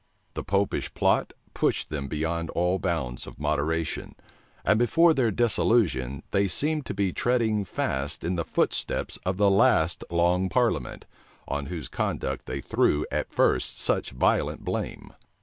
The Popish plot pushed them beyond all bounds of moderation; and before their dissolution, they seemed to be treading fast in the footsteps of the last long parliament, on whose conduct they threw at first such violent blame.